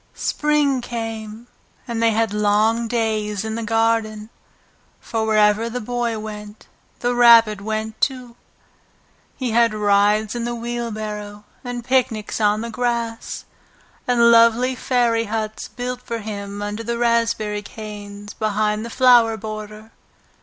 Spring came, and they had long days in the garden, for wherever the Boy went the Rabbit went too. He had rides in the wheelbarrow, and picnics on the grass, and lovely fairy huts built for him under the raspberry canes behind the flower border.